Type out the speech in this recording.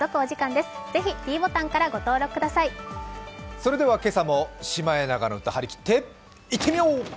それでは今朝も「シマエナガの歌」はりきっていってみよう！